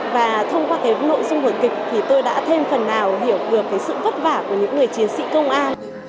và thông qua cái nội dung vở kịch thì tôi đã thêm phần nào hiểu được cái sự vất vả của những người chiến sĩ công an